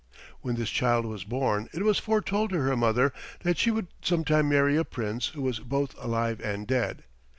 When this child was born it was foretold to her mother that she would sometime marry a Prince who was both alive and dead.